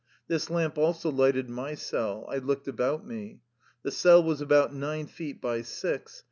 This lamp also lighted my cell. I looked about me. The cell was about nine feet by six.